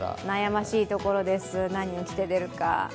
悩ましいところです、何を着て出るか。